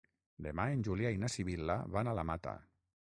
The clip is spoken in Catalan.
Demà en Julià i na Sibil·la van a la Mata.